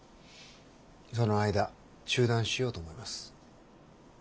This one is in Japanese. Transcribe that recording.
その間中断しようと思います。